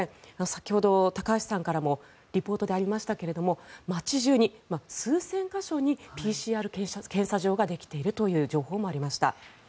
先ほど高橋さんからもリポートでありましたが街中に数千か所にＰＣＲ検査場ができているという情報もありました。